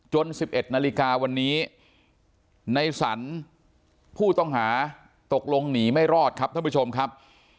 ๑๑นาฬิกาวันนี้ในสรรผู้ต้องหาตกลงหนีไม่รอดครับท่านผู้ชมครับ